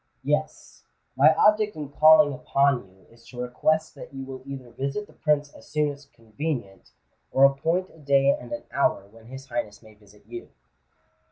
"Yes: my object in calling upon you is to request that you will either visit the Prince as soon as convenient, or appoint a day and an hour when his Highness may visit you."